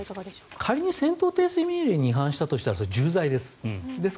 仮に戦闘停止命令に違反したとしたらそれは重罪です。